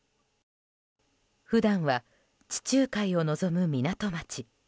普段は地中海を望む港町。